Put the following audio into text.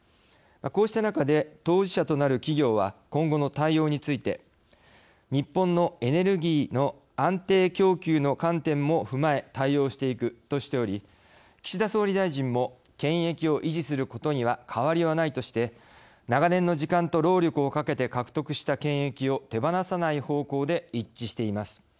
こうした中で当事者となる企業は今後の対応について日本のエネルギーの安定供給の観点も踏まえ対応していくとしており岸田総理大臣も権益を維持することには変わりはないとして長年の時間と労力をかけて獲得した権益を手放さない方向で一致しています。